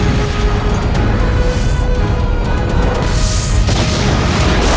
dan menangkan mereka